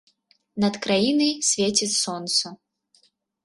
Над краінай свеціць сонца.